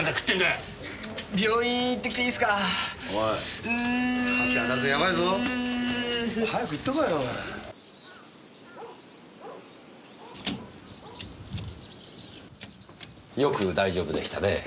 よく大丈夫でしたねぇ。